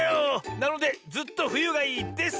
なのでずっとふゆがいいです！